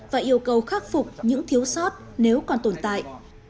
và yêu cầu khắc phục những thiếu sót nếu còn tồn tại